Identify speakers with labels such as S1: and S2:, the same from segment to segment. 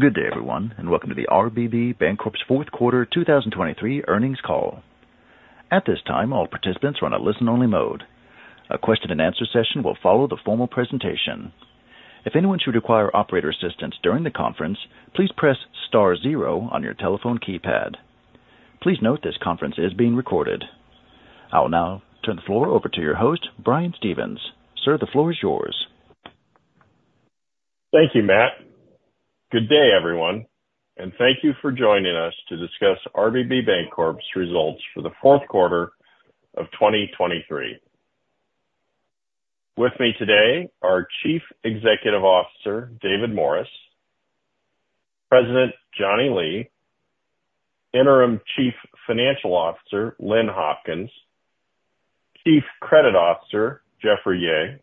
S1: Good day, everyone, and welcome to the RBB Bancorp's fourth quarter 2023 earnings call. At this time, all participants are on a listen-only mode. A question and answer session will follow the formal presentation. If anyone should require operator assistance during the conference, please press star zero on your telephone keypad. Please note, this conference is being recorded. I will now turn the floor over to your host, Brian Stevens. Sir, the floor is yours.
S2: Thank you, Matt. Good day, everyone, and thank you for joining us to discuss RBB Bancorp's results for the fourth quarter of 2023. With me today are Chief Executive Officer David Morris; President Johnny Lee; Interim Chief Financial Officer Lynn Hopkins; Chief Credit Officer Jeffrey Yeh;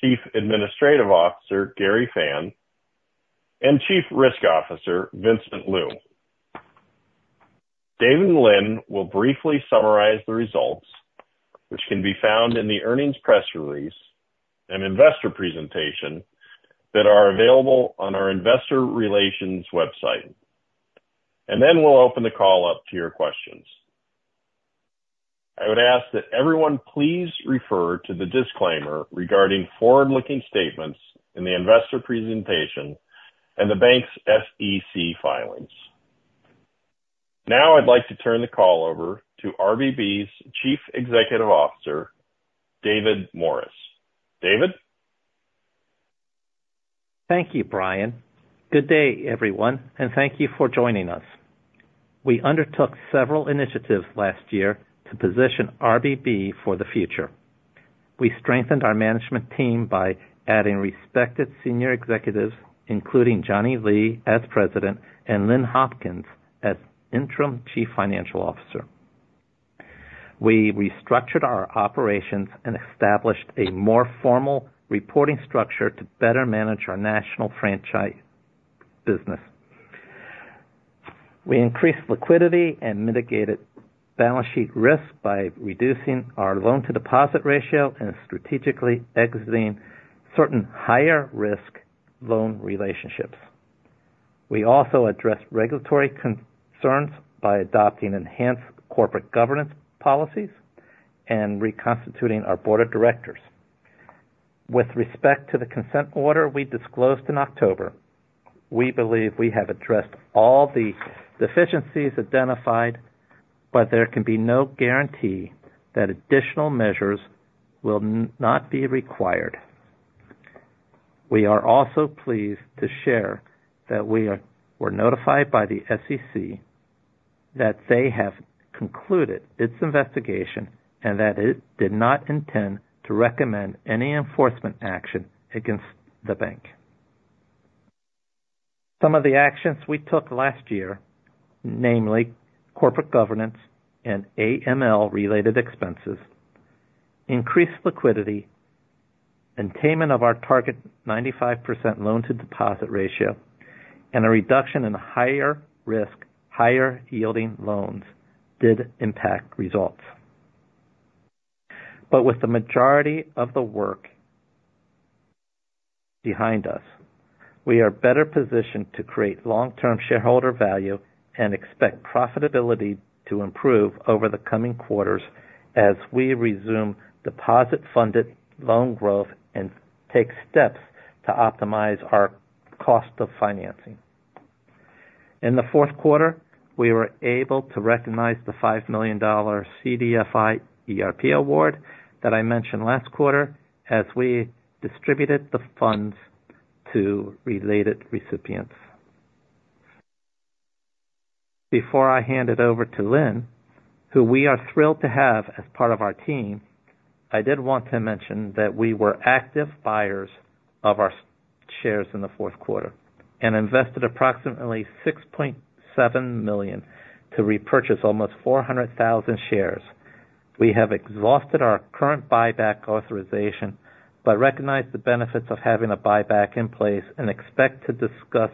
S2: Chief Administrative Officer Gary Fan; and Chief Risk Officer Vincent Liu. David, Lynn will briefly summarize the results, which can be found in the earnings press release and investor presentation that are available on our investor relations website. Then we'll open the call up to your questions. I would ask that everyone please refer to the disclaimer regarding forward-looking statements in the investor presentation and the bank's SEC filings. Now, I'd like to turn the call over to RBB's Chief Executive Officer David Morris. David?
S3: Thank you, Brian. Good day, everyone, and thank you for joining us. We undertook several initiatives last year to position RBB for the future. We strengthened our management team by adding respected senior executives, including Johnny Lee as President and Lynn Hopkins as Interim Chief Financial Officer. We restructured our operations and established a more formal reporting structure to better manage our national franchise business. We increased liquidity and mitigated balance sheet risk by reducing our loan-to-deposit ratio and strategically exiting certain higher-risk loan relationships. We also addressed regulatory concerns by adopting enhanced corporate governance policies and reconstituting our board of directors. With respect to the consent order we disclosed in October, we believe we have addressed all the deficiencies identified, but there can be no guarantee that additional measures will not be required. We are also pleased to share that we were notified by the SEC that they have concluded its investigation and that it did not intend to recommend any enforcement action against the bank. Some of the actions we took last year, namely corporate governance and AML-related expenses, increased liquidity, and payment of our target 95% loan-to-deposit ratio and a reduction in higher risk, higher yielding loans, did impact results. But with the majority of the work behind us, we are better positioned to create long-term shareholder value and expect profitability to improve over the coming quarters as we resume deposit-funded loan growth and take steps to optimize our cost of financing. In the fourth quarter, we were able to recognize the $5 million CDFI ERP award that I mentioned last quarter, as we distributed the funds to related recipients. Before I hand it over to Lynn, who we are thrilled to have as part of our team, I did want to mention that we were active buyers of our shares in the fourth quarter and invested approximately $6.7 million to repurchase almost 400,000 shares. We have exhausted our current buyback authorization, but recognize the benefits of having a buyback in place and expect to discuss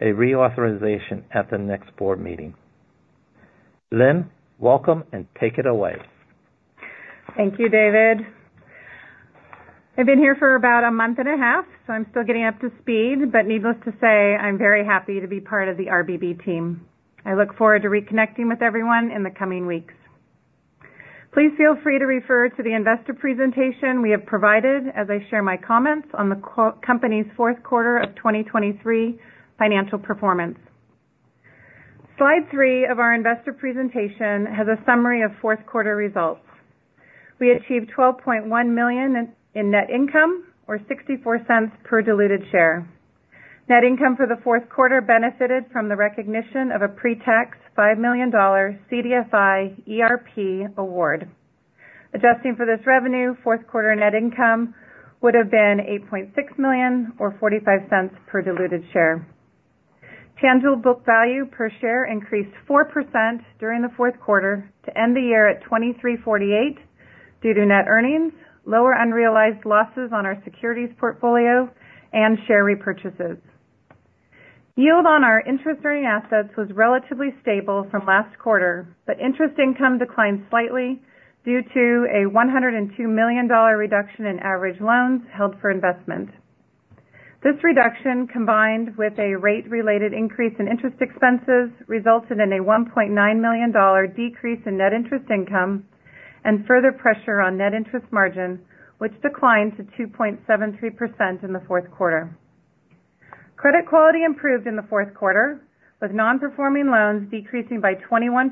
S3: a reauthorization at the next board meeting. Lynn, welcome, and take it away.
S4: Thank you, David. I've been here for about a month and a half, so I'm still getting up to speed. But needless to say, I'm very happy to be part of the RBB team. I look forward to reconnecting with everyone in the coming weeks. Please feel free to refer to the investor presentation we have provided as I share my comments on the company's fourth quarter of 2023 financial performance. Slide 3 of our investor presentation has a summary of fourth quarter results. We achieved $12.1 million in net income or $0.64 per diluted share. Net income for the fourth quarter benefited from the recognition of a pre-tax $5 million CDFI ERP award. Adjusting for this revenue, fourth quarter net income would have been $8.6 million or $0.45 per diluted share. Tangible book value per share increased 4% during the fourth quarter to end the year at $23.48 due to net earnings, lower unrealized losses on our securities portfolio and share repurchases. Yield on our interest-bearing assets was relatively stable from last quarter, but interest income declined slightly due to a $102 million reduction in average loans held for investment.... This reduction, combined with a rate-related increase in interest expenses, resulted in a $1.9 million decrease in net interest income and further pressure on net interest margin, which declined to 2.73% in the fourth quarter. Credit quality improved in the fourth quarter, with non-performing loans decreasing by 21%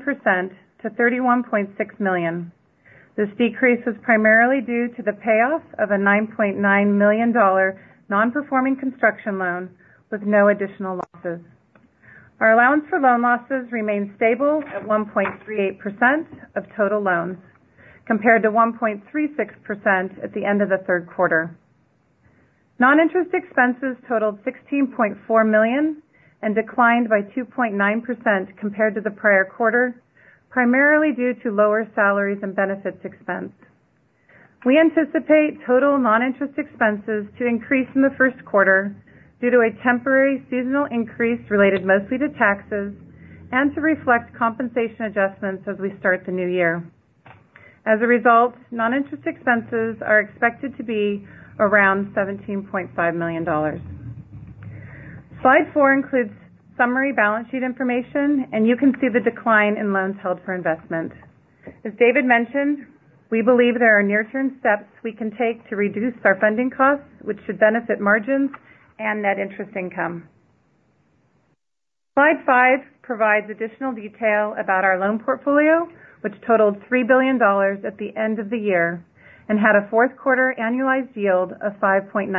S4: to $31.6 million. This decrease was primarily due to the payoff of a $9.9 million non-performing construction loan with no additional losses. Our allowance for loan losses remained stable at 1.38% of total loans, compared to 1.36% at the end of the third quarter. Non-interest expenses totaled $16.4 million and declined by 2.9% compared to the prior quarter, primarily due to lower salaries and benefits expense. We anticipate total non-interest expenses to increase in the first quarter due to a temporary seasonal increase related mostly to taxes and to reflect compensation adjustments as we start the new year. As a result, non-interest expenses are expected to be around $17.5 million. Slide 4 includes summary balance sheet information, and you can see the decline in loans held for investment. As David mentioned, we believe there are near-term steps we can take to reduce our funding costs, which should benefit margins and net interest income. Slide 5 provides additional detail about our loan portfolio, which totaled $3 billion at the end of the year and had a fourth quarter annualized yield of 5.96%.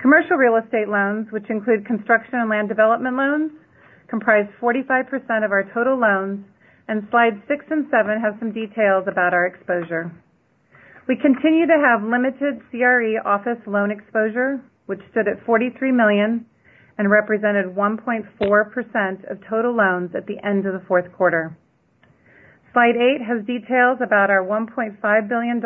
S4: Commercial real estate loans, which include construction and land development loans, comprise 45% of our total loans, and slides 6 and 7 have some details about our exposure. We continue to have limited CRE office loan exposure, which stood at $43 million and represented 1.4% of total loans at the end of the fourth quarter. Slide 8 has details about our $1.5 billion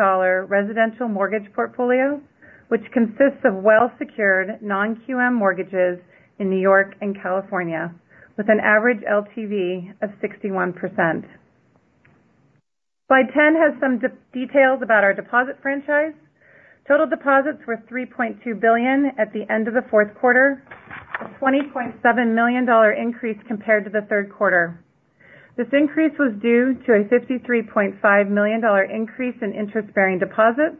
S4: residential mortgage portfolio, which consists of well-secured non-QM mortgages in New York and California, with an average LTV of 61%. Slide 10 has some details about our deposit franchise. Total deposits were $3.2 billion at the end of the fourth quarter, a $20.7 million increase compared to the third quarter. This increase was due to a $53.5 million increase in interest-bearing deposits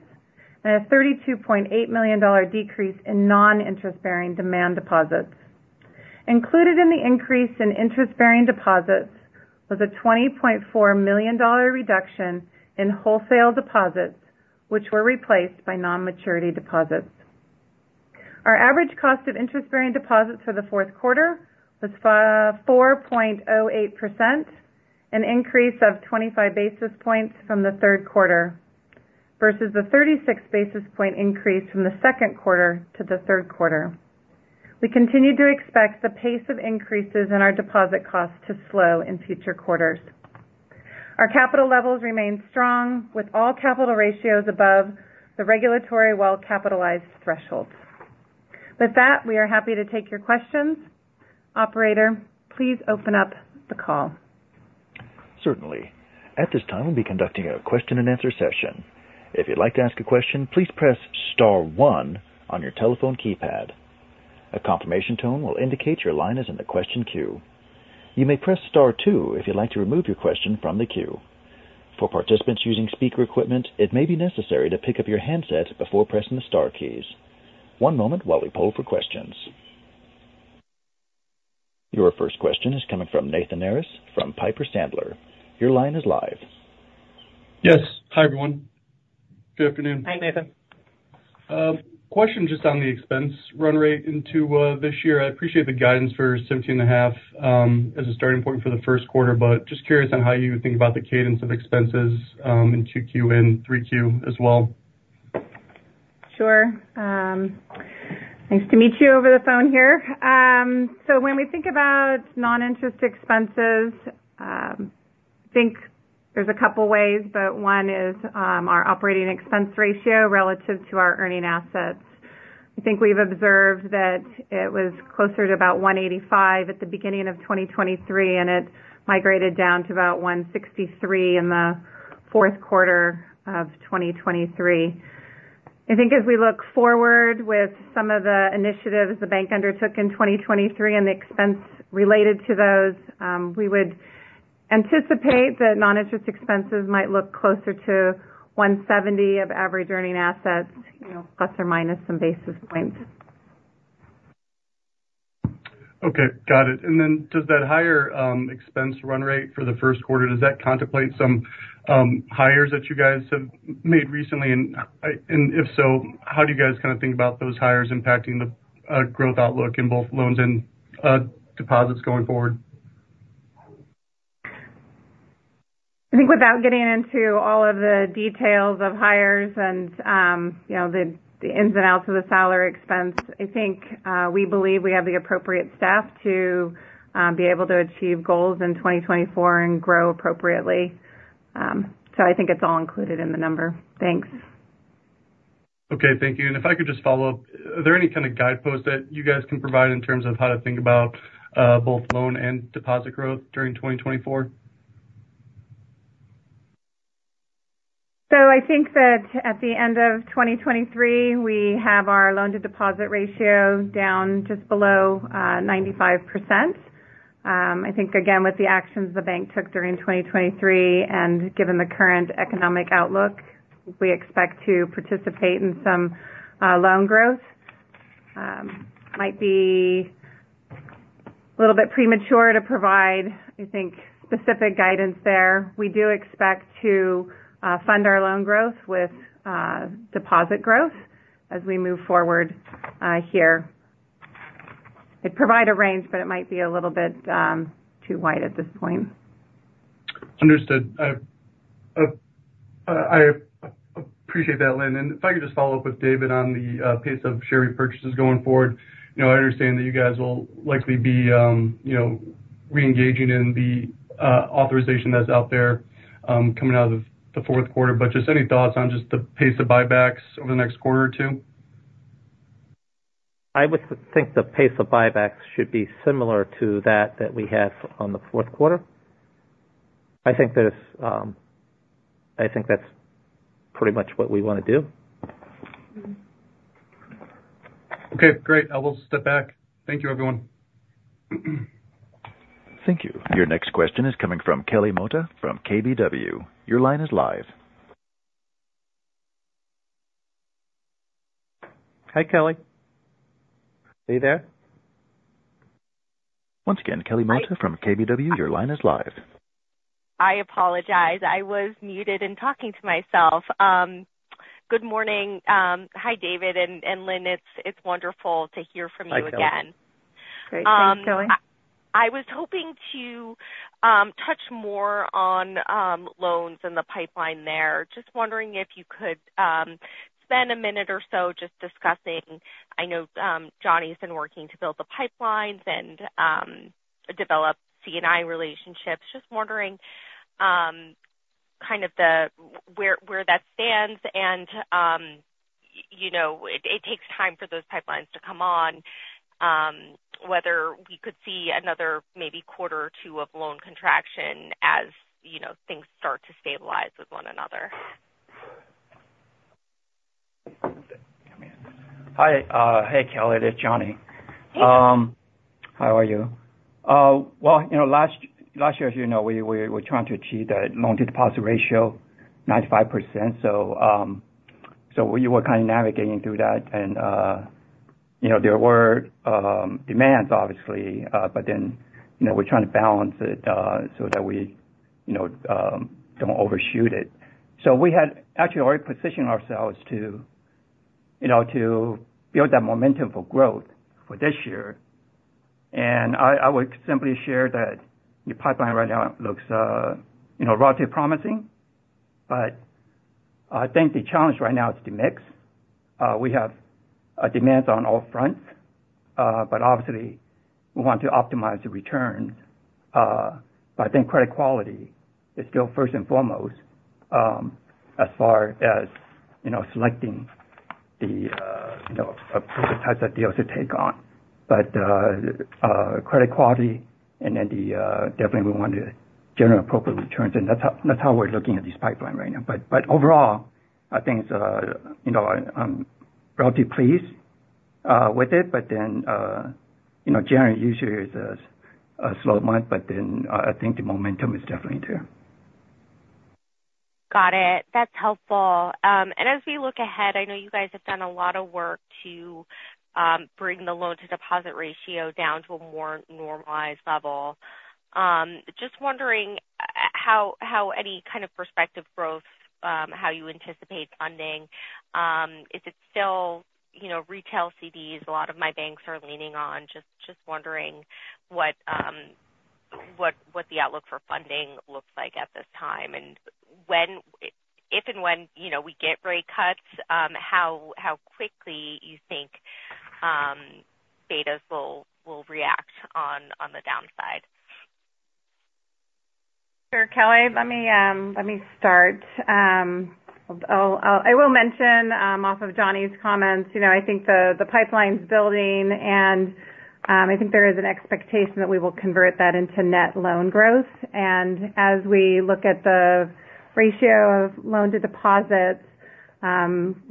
S4: and a $32.8 million decrease in non-interest-bearing demand deposits. Included in the increase in interest-bearing deposits was a $20.4 million reduction in wholesale deposits, which were replaced by non-maturity deposits. Our average cost of interest-bearing deposits for the fourth quarter was 4.08%, an increase of 25 basis points from the third quarter, versus a 36 basis point increase from the second quarter to the third quarter. We continue to expect the pace of increases in our deposit costs to slow in future quarters. Our capital levels remain strong, with all capital ratios above the regulatory well-capitalized thresholds. With that, we are happy to take your questions. Operator, please open up the call.
S1: Certainly. At this time, we'll be conducting a question-and-answer session. If you'd like to ask a question, please press star one on your telephone keypad. A confirmation tone will indicate your line is in the question queue. You may press star two if you'd like to remove your question from the queue. For participants using speaker equipment, it may be necessary to pick up your handset before pressing the star keys. One moment while we poll for questions. Your first question is coming from Nathan Race from Piper Sandler. Your line is live.
S5: Yes. Hi, everyone. Good afternoon.
S4: Hi, Nathan.
S5: Question just on the expense run rate into this year. I appreciate the guidance for 17.5 as a starting point for the first quarter, but just curious on how you think about the cadence of expenses in 2Q and 3Q as well.
S4: Sure. Nice to meet you over the phone here. So when we think about non-interest expenses, I think there's a couple ways, but one is, our operating expense ratio relative to our earning assets. I think we've observed that it was closer to about 185 at the beginning of 2023, and it migrated down to about 163 in the fourth quarter of 2023. I think as we look forward with some of the initiatives the bank undertook in 2023 and the expense related to those, we would anticipate that non-interest expenses might look closer to 170 of average earning assets, you know, plus or minus some basis points.
S5: Okay, got it. And then does that higher expense run rate for the first quarter, does that contemplate some hires that you guys have made recently? And if so, how do you guys kind of think about those hires impacting the growth outlook in both loans and deposits going forward?
S4: I think without getting into all of the details of hires and, you know, the ins and outs of the salary expense, I think, we believe we have the appropriate staff to, be able to achieve goals in 2024 and grow appropriately. So I think it's all included in the number. Thanks.
S5: Okay, thank you. And if I could just follow up: are there any kind of guideposts that you guys can provide in terms of how to think about both loan and deposit growth during 2024?...
S4: So I think that at the end of 2023, we have our loan to deposit ratio down just below 95%. I think again, with the actions the bank took during 2023, and given the current economic outlook, we expect to participate in some loan growth. Might be a little bit premature to provide, I think, specific guidance there. We do expect to fund our loan growth with deposit growth as we move forward here. I'd provide a range, but it might be a little bit too wide at this point.
S5: Understood. I appreciate that, Lynn. And if I could just follow up with David on the pace of share repurchases going forward. You know, I understand that you guys will likely be, you know, reengaging in the authorization that's out there, coming out of the fourth quarter. But just any thoughts on just the pace of buybacks over the next quarter or two?
S6: I would think the pace of buybacks should be similar to that, that we have on the fourth quarter. I think there's, I think that's pretty much what we want to do.
S5: Okay, great. I will step back. Thank you, everyone.
S1: Thank you. Your next question is coming from Kelly Motta from KBW. Your line is live.
S6: Hi, Kelly. Are you there?
S7: Once again, Kelly Motta from KBW. Your line is live.
S8: I apologize. I was muted and talking to myself. Good morning. Hi, David and, and Lynn. It's, it's wonderful to hear from you again.
S6: Hi, Kelly.
S4: Great. Thanks, Kelly.
S8: I was hoping to touch more on loans and the pipeline there. Just wondering if you could spend a minute or so just discussing. I know Johnny's been working to build the pipelines and develop C&I relationships. Just wondering kind of the where that stands and you know it takes time for those pipelines to come on whether we could see another maybe quarter or two of loan contraction as you know things start to stabilize with one another.
S6: Hi. Hey, Kelly, it is Johnny.
S8: Hey.
S6: Well, you know, last year, as you know, we were trying to achieve the loan to deposit ratio, 95%. So, so we were kind of navigating through that and, you know, there were demands, obviously, but then, you know, we're trying to balance it, so that we, you know, don't overshoot it. So we had actually already positioned ourselves to, you know, to build that momentum for growth for this year. And I would simply share that the pipeline right now looks, you know, relatively promising. But I think the challenge right now is the mix. We have demands on all fronts, but obviously we want to optimize the return. But I think credit quality is still first and foremost, as far as, you know, selecting the, you know, appropriate types of deals to take on. But, credit quality and then the, definitely we want to generate appropriate returns, and that's how, that's how we're looking at this pipeline right now. But, but overall, I think it's, you know, I'm relatively pleased with it. But then, you know, January usually is a slow month, but then I think the momentum is definitely there.
S8: Got it. That's helpful. And as we look ahead, I know you guys have done a lot of work to bring the loan to deposit ratio down to a more normalized level. Just wondering how any kind of prospective growth, how you anticipate funding? Is it still, you know, retail CDs? A lot of my banks are leaning on, just wondering what the outlook for funding looks like at this time, and when—if and when, you know, we get rate cuts, how quickly you think betas will react on the downside.
S4: Sure, Kelly, let me start. I will mention, off of Johnny's comments, you know, I think the pipeline's building, and I think there is an expectation that we will convert that into net loan growth. And as we look at the ratio of loan to deposits,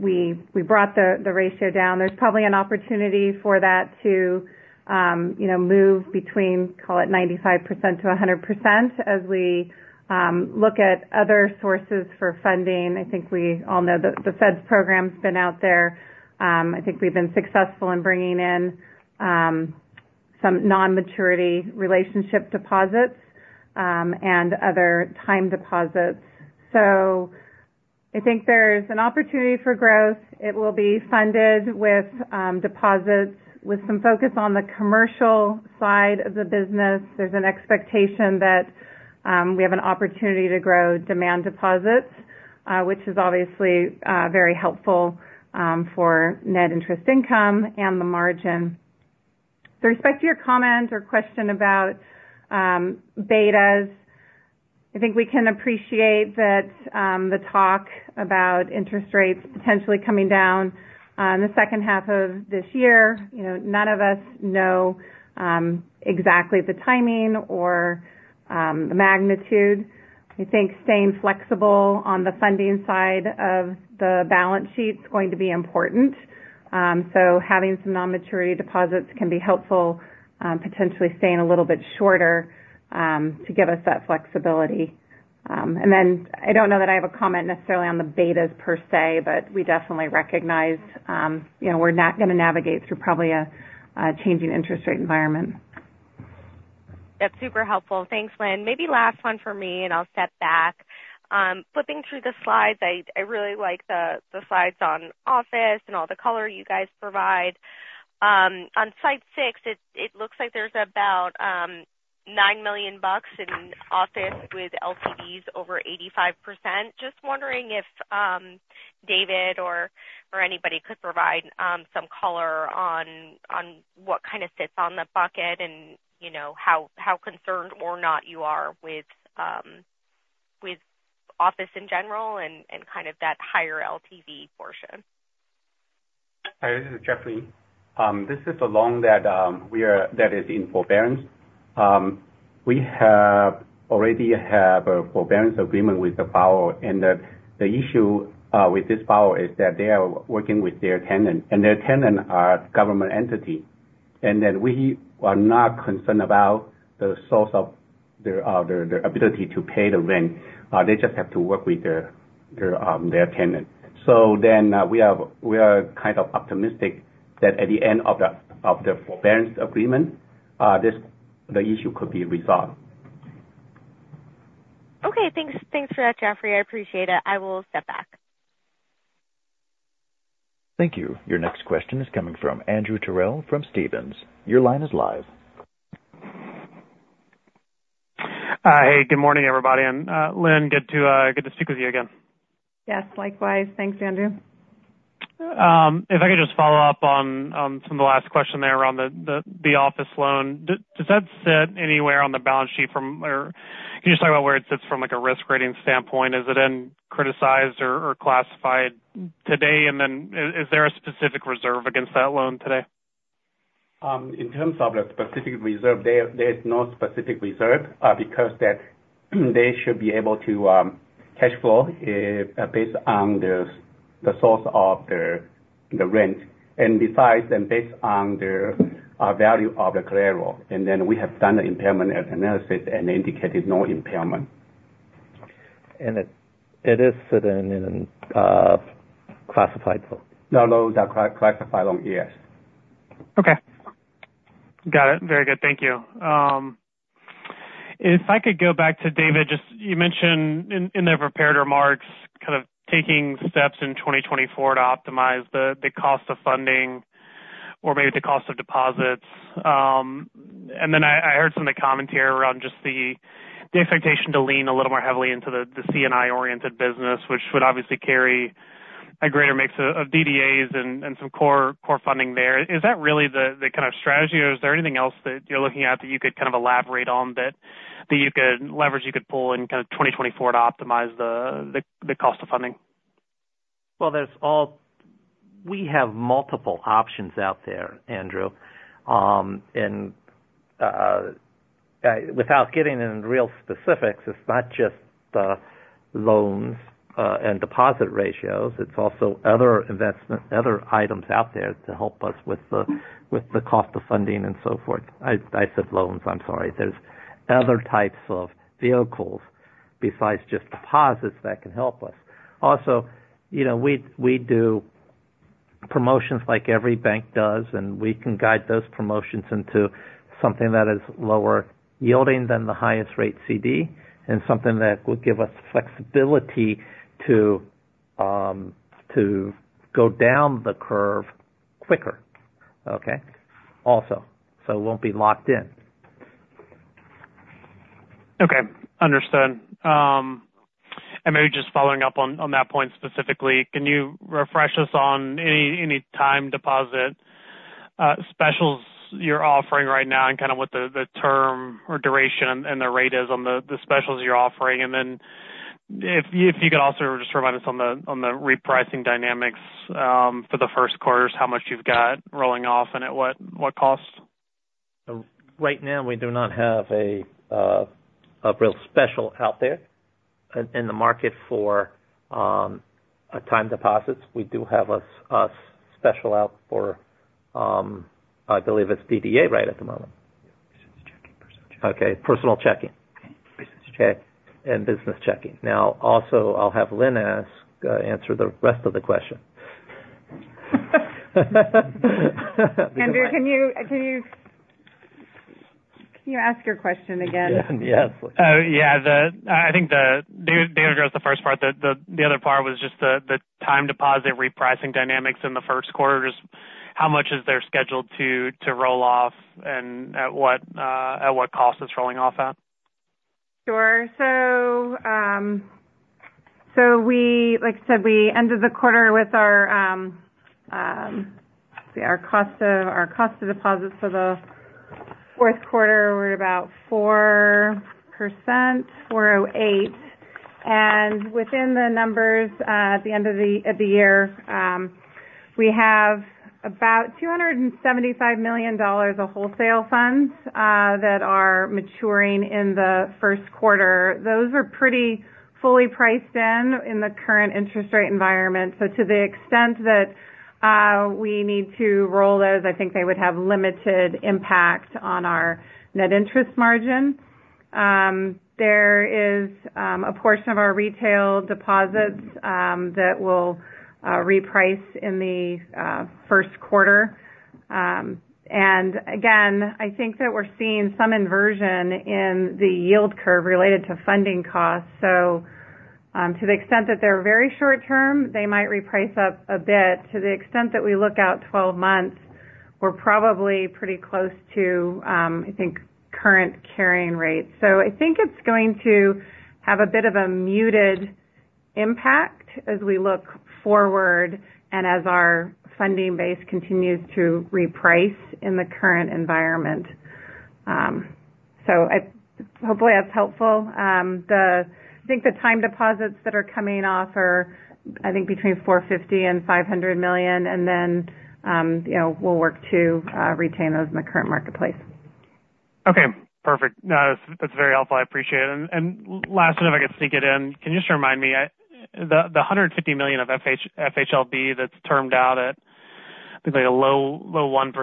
S4: we brought the ratio down. There's probably an opportunity for that to, you know, move between, call it 95%-100%. As we look at other sources for funding, I think we all know the Fed's program's been out there. I think we've been successful in bringing in some non-maturity relationship deposits and other time deposits. So I think there's an opportunity for growth. It will be funded with deposits, with some focus on the commercial side of the business. There's an expectation that we have an opportunity to grow demand deposits, which is obviously very helpful for net interest income and the margin. With respect to your comment or question about betas, I think we can appreciate that the talk about interest rates potentially coming down in the second half of this year. You know, none of us know exactly the timing or the magnitude. I think staying flexible on the funding side of the balance sheet is going to be important. So having some non-maturity deposits can be helpful, potentially staying a little bit shorter to give us that flexibility. And then I don't know that I have a comment necessarily on the betas per se, but we definitely recognize, you know, we're not going to navigate through probably a changing interest rate environment.
S8: That's super helpful. Thanks, Lynn. Maybe last one for me, and I'll step back. Flipping through the slides, I really like the slides on office and all the color you guys provide. On slide six, it looks like there's about $9 million in office with LTVs over 85%. Just wondering if David or anybody could provide some color on what kind of sits on the bucket and, you know, how concerned or not you are with office in general and kind of that higher LTV portion.
S9: Hi, this is Jeffrey. This is a loan that is in forbearance. We have already have a forbearance agreement with the borrower, and the issue with this borrower is that they are working with their tenant, and their tenant are a government entity, and then we are not concerned about the source of their ability to pay the rent. They just have to work with their tenant. So then, we are kind of optimistic that at the end of the forbearance agreement, the issue could be resolved.
S8: Okay, thanks. Thanks for that, Jeffrey. I appreciate it. I will step back.
S1: Thank you. Your next question is coming from Andrew Terrell from Stephens. Your line is live.
S10: Hey, good morning, everybody. And, Lynn, good to speak with you again.
S4: Yes, likewise. Thanks, Andrew.
S10: If I could just follow up on from the last question there around the office loan. Does that sit anywhere on the balance sheet from or can you just talk about where it sits from, like a risk rating standpoint? Is it in criticized or classified today? And then is there a specific reserve against that loan today?
S9: In terms of a specific reserve, there is no specific reserve, because they should be able to cash flow based on the source of the rent and besides then based on the value of the collateral. And then we have done an impairment analysis and indicated no impairment.
S3: It, it is sitting in classified though?
S9: No, no, the classified loan, yes.
S10: Okay. Got it. Very good. Thank you. If I could go back to David, just you mentioned in the prepared remarks, kind of taking steps in 2024 to optimize the cost of funding or maybe the cost of deposits. And then I heard some of the commentary around just the expectation to lean a little more heavily into the C&I-oriented business, which would obviously carry a greater mix of DDAs and some core funding there. Is that really the kind of strategy, or is there anything else that you're looking at that you could kind of elaborate on, that you could leverage, you could pull in kind of 2024 to optimize the cost of funding?
S3: Well, we have multiple options out there, Andrew. And without getting into real specifics, it's not just the loans and deposit ratios, it's also other investment, other items out there to help us with the cost of funding and so forth. I said loans. I'm sorry. There's other types of vehicles besides just deposits that can help us. Also, you know, we do promotions like every bank does, and we can guide those promotions into something that is lower yielding than the highest rate CD and something that would give us flexibility to go down the curve quicker. Okay? Also, so we won't be locked in.
S10: Okay, understood. And maybe just following up on that point specifically, can you refresh us on any time deposit specials you're offering right now and kind of what the term or duration and the rate is on the specials you're offering? And then if you could also just remind us on the repricing dynamics for the first quarters, how much you've got rolling off and at what costs?
S4: So right now we do not have a real special out there in the market for a time deposits. We do have a special out for I believe it's DDA right at the moment.
S3: Business checking.
S4: Okay, personal checking.
S3: Business checking.
S4: Business checking. Now also, I'll have Lynn ask, answer the rest of the question. Andrew, can you, can you, can you ask your question again?
S10: Yes. Yeah, I think David addressed the first part. The other part was just the time deposit repricing dynamics in the first quarter. Just how much is there scheduled to roll off and at what cost is rolling off at?
S4: Sure. So, so we, like I said, we ended the quarter with our, let's see, our cost of deposits for the fourth quarter were about 4%, 4.08.... and within the numbers, at the end of the year, we have about $275 million of wholesale funds, that are maturing in the first quarter. Those are pretty fully priced in, in the current interest rate environment. So to the extent that, we need to roll those, I think they would have limited impact on our net interest margin. There is, a portion of our retail deposits, that will, reprice in the first quarter. And again, I think that we're seeing some inversion in the yield curve related to funding costs. So, to the extent that they're very short term, they might reprice up a bit. To the extent that we look out 12 months, we're probably pretty close to, I think, current carrying rates. So I think it's going to have a bit of a muted impact as we look forward and as our funding base continues to reprice in the current environment. So, hopefully that's helpful. I think the time deposits that are coming off are, I think, between $450 million and $500 million, and then, you know, we'll work to retain those in the current marketplace.
S10: Okay, perfect. No, that's, that's very helpful, I appreciate it. And last one, if I could sneak it in. Can you just remind me, the hundred and fifty million of FHLB that's termed out at, I think, like, a low, low 1%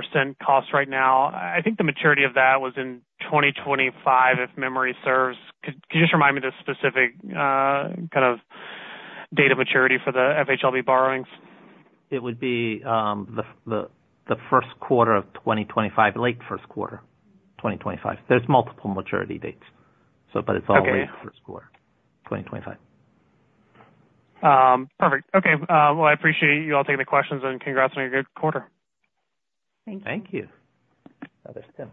S10: cost right now. I think the maturity of that was in 2025, if memory serves. Could you just remind me the specific kind of date of maturity for the FHLB borrowings?
S3: It would be the first quarter of 2025, late first quarter, 2025. There's multiple maturity dates, so but it's all-
S10: Okay.
S3: First quarter 2025.
S10: Perfect. Okay, well, I appreciate you all taking the questions, and congrats on your good quarter.
S4: Thank you.
S3: Thank you. That was Tim.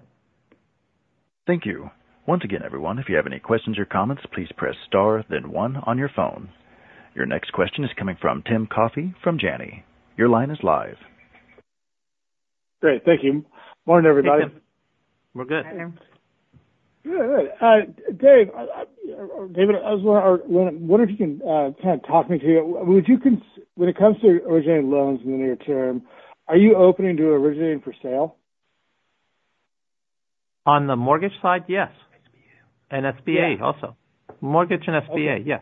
S1: Thank you. Once again, everyone, if you have any questions or comments, please press star, then one on your phone. Your next question is coming from Tim Coffey from Janney. Your line is live.
S7: Great. Thank you. Morning, everybody.
S3: Hey, Tim. We're good.
S4: Hi, Tim.
S11: Good, good. David, I wonder if you can kind of talk me through, when it comes to originating loans in the near term, are you open to originating for sale?
S3: On the mortgage side, yes.
S4: SBA.
S3: And SBA also.
S11: Yeah.
S3: Mortgage and SBA, yes.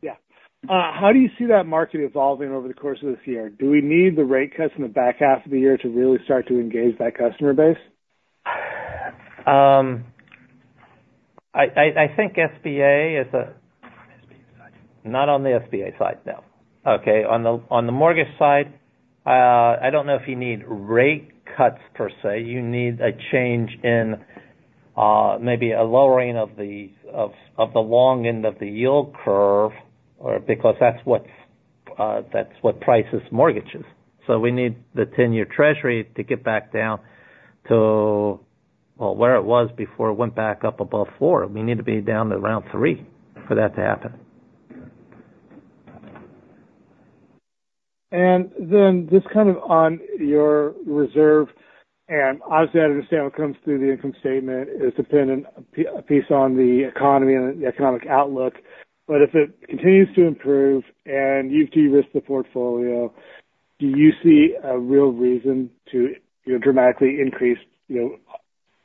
S11: Yeah. How do you see that market evolving over the course of this year? Do we need the rate cuts in the back half of the year to really start to engage that customer base?
S3: I think SBA is a-
S4: Not on the SBA side.
S3: Not on the SBA side? No. Okay. On the mortgage side, I don't know if you need rate cuts per se. You need a change in, maybe a lowering of the long end of the yield curve, because that's what prices mortgages. So we need the ten-year Treasury to get back down to, well, where it was before it went back up above four. We need to be down to around three for that to happen.
S11: And then just kind of on your reserve, and obviously, I understand what comes through the income statement is dependent in part on the economy and the economic outlook. But if it continues to improve and you de-risk the portfolio, do you see a real reason to, you know, dramatically increase, you know,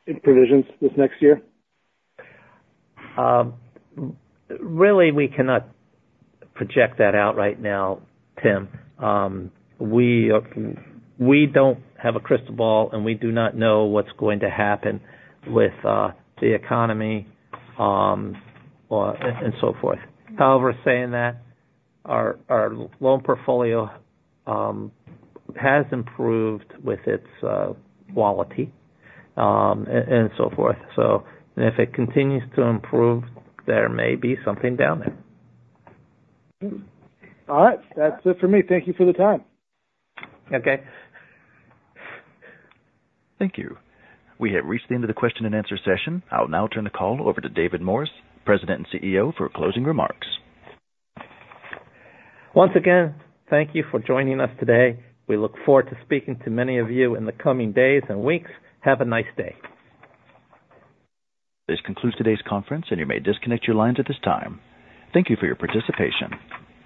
S11: in provisions this next year?
S3: Really, we cannot project that out right now, Tim. We don't have a crystal ball, and we do not know what's going to happen with the economy, or and so forth. However, saying that, our loan portfolio has improved with its quality and so forth. So if it continues to improve, there may be something down there.
S11: All right. That's it for me. Thank you for the time.
S3: Okay.
S1: Thank you. We have reached the end of the question and answer session. I'll now turn the call over to David Morris, President and CEO, for closing remarks.
S3: Once again, thank you for joining us today. We look forward to speaking to many of you in the coming days and weeks. Have a nice day.
S1: This concludes today's conference, and you may disconnect your lines at this time. Thank you for your participation.